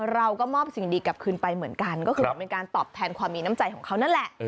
เราก็มอบสิ่งดีกลับคืนไปเหมือนกันก็คือเหมือนเป็นการตอบแทนความมีน้ำใจของเขานั่นแหละ